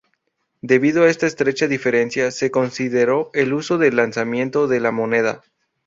Debido a esta estrecha diferencia, se consideró el uso de lanzamiento de la moneda.